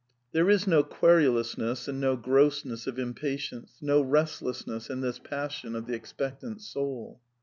^* There is no querulousness and no grossness of impa tience, no restlessness in this passion of the expectant soul.